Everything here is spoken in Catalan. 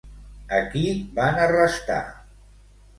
A qui van arrestar?